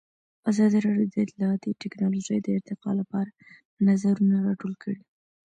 ازادي راډیو د اطلاعاتی تکنالوژي د ارتقا لپاره نظرونه راټول کړي.